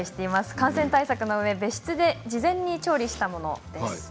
感染対策のうえ事前に別室で調理したものです。